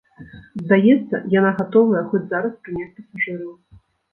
Здаецца, яна гатовая хоць зараз прыняць пасажыраў.